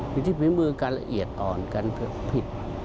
อยู่ที่ฝีมือการละเอียดอ่อนการผิด